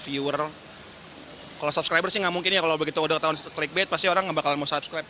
viewer kalau subscriber sih gak mungkin ya kalau begitu udah ketahuan clickbait pasti orang gak bakalan mau subscribe